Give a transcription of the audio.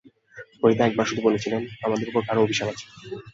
ফরিদা একবার শুধু বলেছিলেন, আমাদের ওপর কারোর অভিশাপ আছে।